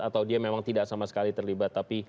atau dia memang tidak sama sekali terlibat